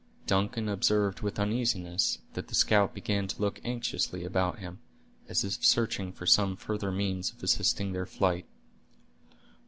Duncan observed with uneasiness, that the scout began to look anxiously about him, as if searching for some further means of assisting their flight.